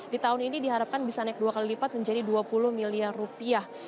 di tahun ini diharapkan bisa naik dua kali lipat menjadi dua puluh miliar rupiah